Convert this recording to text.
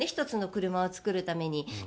１つの車を作るために。